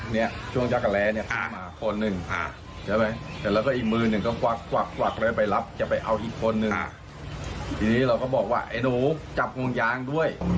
ทีนี้เราก็บอกว่าเฮ้หนูจับห่วงยางด้วย